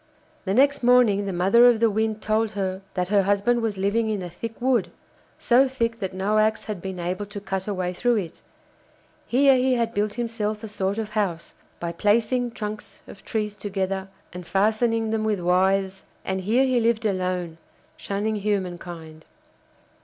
The next morning the mother of the Wind told her that her husband was living in a thick wood, so thick that no axe had been able to cut a way through it; here he had built himself a sort of house by placing trunks of trees together and fastening them with withes and here he lived alone, shunning human kind.